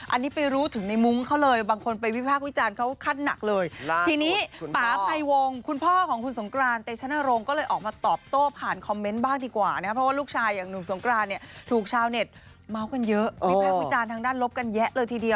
อันนี้ไปรู้ถึงในมุ้งเขาเลยบางคนไปวิทยาลัยภาควิจารณ์เขาก็คาดหนักเลย